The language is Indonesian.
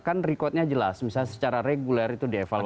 kan rekodnya jelas misalnya secara reguler itu dievaluasi